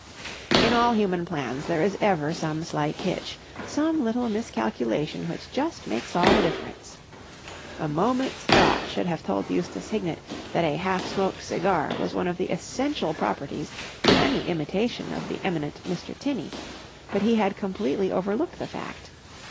In all human plans there is ever some slight hitch, some little miscalculation which just makes all the difference. A moment's thought should have told Eustace Hignett that a half smoked cigar was one of the essential properties to any imitation of the eminent Mr. Tinney; but he had completely overlooked the fact.